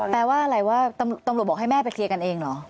แปลว่าอะไรว่าตำรวจบอกให้แม่ไปเคลียร์กันเองเหรอ